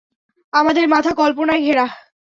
আমাদের মাথা কল্পনায় ঘেরা।